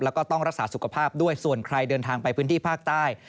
แล้วก็ต้องรักษาสุขภาพด้วยส่วนใครเดินทางไปพื้นที่ภาคใต้